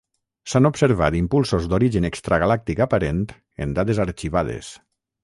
S'han observat impulsos d'origen extragalàctic aparent en dades arxivades.